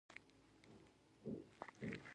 ناڅاپه د خطر زنګ ووهل شو او ډزې پیل شوې